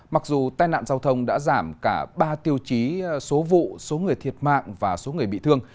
mặc dù tai nạn giao thông đã giảm cả ba tiêu chí số vụ số người thiệt mạng và số người bị thương